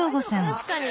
確かに。